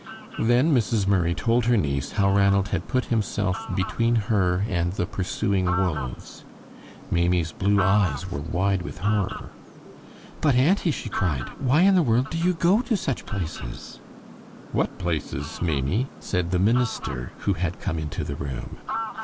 Then Mrs. Murray told her niece how Ranald had put himself between her and the pursuing wolves. Maimie's blue eyes were wide with horror. "But, auntie," she cried, "why in the world do you go to such places?" "What places, Maimie?" said the minister, who had come into the room.